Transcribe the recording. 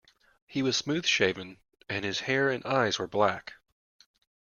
He was smooth-shaven, and his hair and eyes were black.